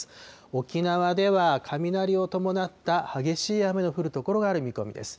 沖縄では、雷を伴った激しい雨の降る所がある見込みです。